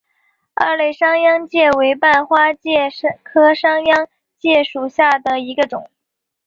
二肋商鞅介为半花介科商鞅介属下的一个种。